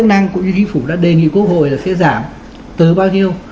là sẽ giảm từ bao nhiêu